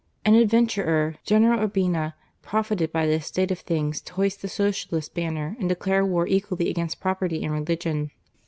An adventurer. General Urbina, profited by this state of things to hoist the Socialist banner and declare war equally against property and religion.